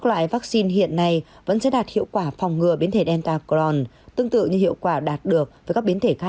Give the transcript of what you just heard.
là gần hai trăm linh năm triệu liều vaccine